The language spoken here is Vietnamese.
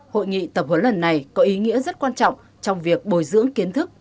hội nghị tập huấn lần này có ý nghĩa rất quan trọng trong việc bồi dưỡng kiến thức